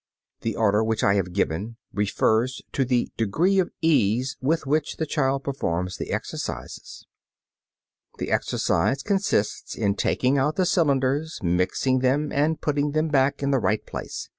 The order which I have given refers to the degree of ease with which the child performs the exercises. The exercise consists in taking out the cylinders, mixing them and putting them back in the right place.